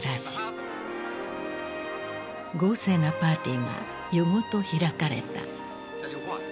豪勢なパーティーが夜ごと開かれた。